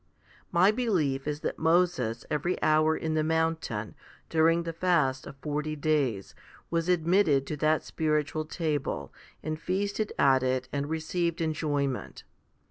My belief is that Moses, every hour in the mountain, during the fast of forty days, was admitted to that spiritual table, and feasted at it and received enjoyment.